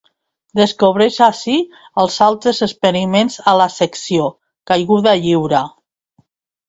Descobreix ací els altres experiments a la secció ‘Caiguda lliure’.